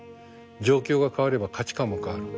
状況が変われば価値観も変わる。